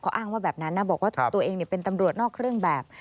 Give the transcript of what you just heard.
อ้างว่าแบบนั้นนะบอกว่าตัวเองเป็นตำรวจนอกเครื่องแบบ